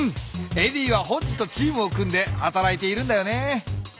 エディはホッジとチームを組んではたらいているんだよね。